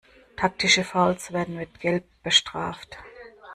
Taktische Fouls werden mit Gelb bestraft.